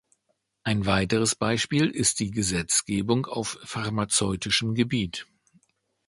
Ein weiteres Beispiel ist die Gesetzgebung auf pharmazeutischem Gebiet.